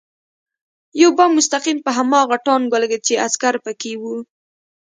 یو بم مستقیم په هماغه ټانک ولګېد چې عسکر پکې و